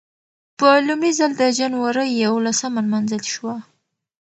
په لومړي ځل د جنورۍ یولسمه نمانځل شوه.